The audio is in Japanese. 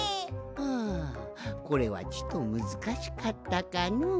はあこれはちとむずかしかったかのう？